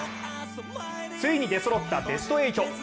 ついに出そろったベスト８。